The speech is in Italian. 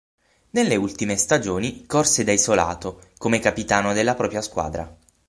Nelle ultime stagioni corse da isolato, come capitano della propria squadra.